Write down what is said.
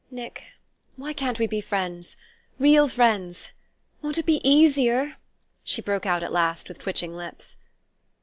"Nick, why can't we be friends real friends? Won't it be easier?" she broke out at last with twitching lips.